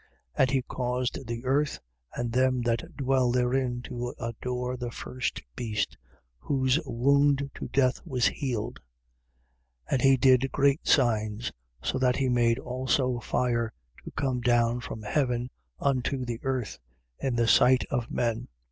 And he caused the earth and them that dwell therein to adore the first beast, whose wound to death was healed. 13:13. And he did great signs, so that he made also fire to come down from heaven unto the earth, in the sight of men.